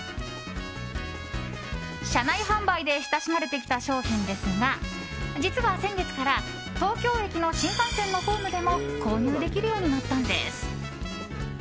車内販売で親しまれてきた商品ですが実は先月から東京駅の新幹線のホームでも購入できるようになったんです。